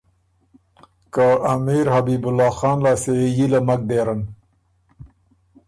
که امیر حبیب الله خان لاسته يې حیله مک دېرن